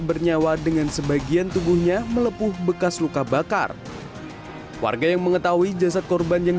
bernyawa dengan sebagian tubuhnya melepuh bekas luka bakar warga yang mengetahui jasad korban yang